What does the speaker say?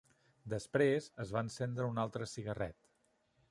Després, es va encendre un altre cigarret.